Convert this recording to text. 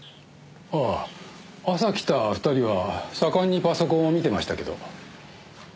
ああ朝来た２人は盛んにパソコンを見てましたけど。